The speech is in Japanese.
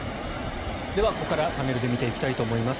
ここからパネルで見ていきたいと思います。